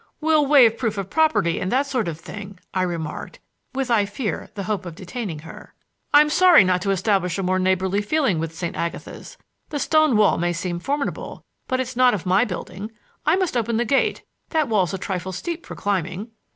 "We'll waive proof of property and that sort of thing," I remarked, with, I fear, the hope of detaining her. "I'm sorry not to establish a more neighborly feeling with St. Agatha's. The stone wall may seem formidable, but it's not of my building. I must open the gate. That wall's a trifle steep for climbing."